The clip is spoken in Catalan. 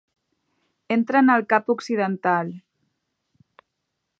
Entren al Cap Occidental.